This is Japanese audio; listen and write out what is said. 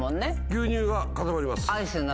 牛乳は固まります。